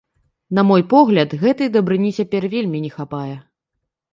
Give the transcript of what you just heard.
На мой погляд, гэтай дабрыні цяпер вельмі не хапае.